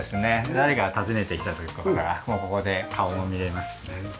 誰かが訪ねて来た時ここからもうここで顔も見れますしね。